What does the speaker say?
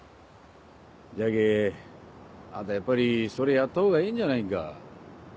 じゃけぇあんたやっぱりそれやったほうがええんじゃないんか。